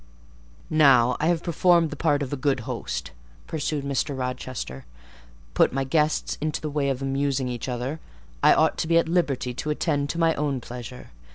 "Now I have performed the part of a good host," pursued Mr. Rochester, "put my guests into the way of amusing each other, I ought to be at liberty to attend to my own pleasure.